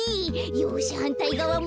よしはんたいがわも。